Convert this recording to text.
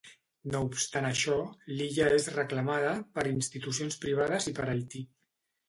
No obstant això, l'illa és reclamada per institucions privades i per Haití.